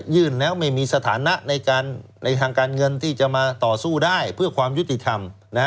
ยื่นแล้วไม่มีสถานะในทางการเงินที่จะมาต่อสู้ได้เพื่อความยุติธรรม